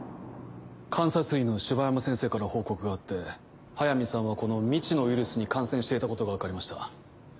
監察医の柴山先生から報告があって速水さんはこの未知のウイルスに感染していたことが分かりました。